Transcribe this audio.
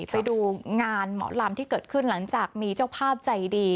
ไปดูงานหมอลำที่เกิดขึ้นหลังจากมีเจ้าภาพใจดี